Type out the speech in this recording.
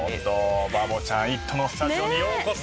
バボちゃん『イット！』のスタジオにようこそ。